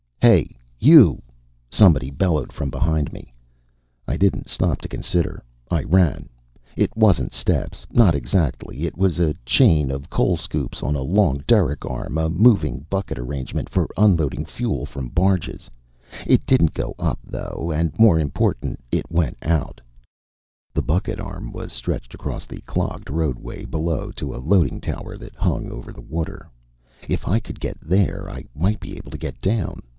"Hey, you!" somebody bellowed from behind me. I didn't stop to consider. I ran. It wasn't steps, not exactly; it was a chain of coal scoops on a long derrick arm, a moving bucket arrangement for unloading fuel from barges. It did go up, though, and more important it went out. The bucket arm was stretched across the clogged roadway below to a loading tower that hung over the water. If I could get there, I might be able to get down.